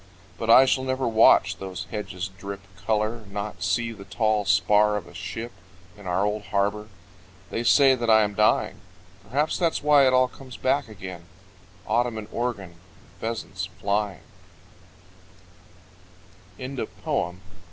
But I shall never watch those hedges drip Color, not see the tall spar of a ship In our old harbor. They say that I am dying, Perhaps that's why it all comes back again: Autumn in Oregon and pheasants flying Song.